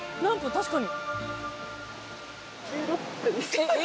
確かに。